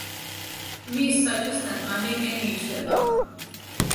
მის საჭესთან მანეკენი იჯდება.